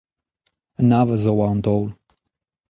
Un aval zo war an daol.